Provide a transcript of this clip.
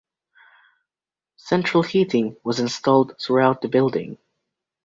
Central heating was installed throughout the building.